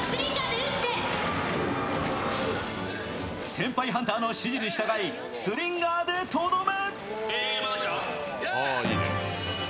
先輩ハンターの指示に従いスリンガーでとどめ。